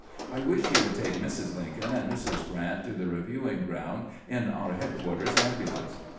I wish you would take Mrs. Lincoln and Mrs. Grant to the review ing ground in our headquarters ambulance."